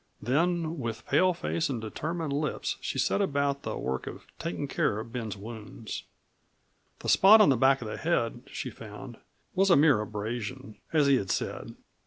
Then with pale face and determined lips she set about the work of taking care of Ben's wounds. The spot on the back of the head, she found, was a mere abrasion, as he had said.